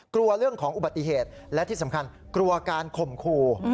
กลัวเรื่องของอุบัติเหตุและที่สำคัญกลัวการข่มขู่